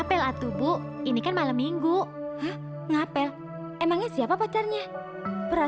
sampai jumpa di video selanjutnya